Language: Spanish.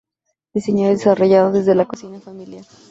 Diseñado y desarrollado desde la cocina familiar.